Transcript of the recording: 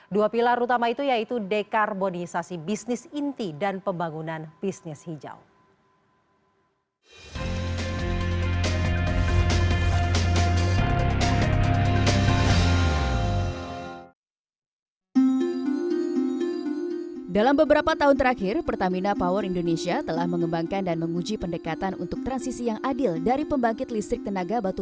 dua pilar utama itu yaitu dekarbonisasi bisnis inti dan pembangunan bisnis hijau